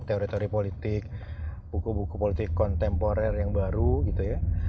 teori teori politik buku buku politik kontemporer yang baru gitu ya